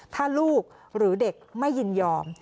ถ้าลูกหรือเด็กไม่ยินยอม